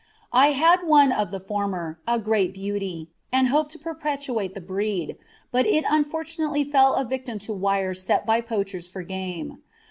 I had one of the former, a great beauty, and hoped to perpetuate the breed, but it unfortunately fell a victim to wires set by poachers for game.